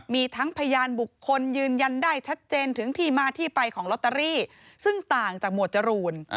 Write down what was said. มีทั้งพยานบุคคลยืนยันได้ชัดเจนถึงที่มาที่ไปของลอตเตอรี่ซึ่งต่างจากหมวดจรูน